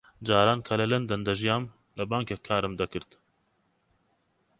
جاران کە لە لەندەن دەژیام لە بانکێک کارم دەکرد.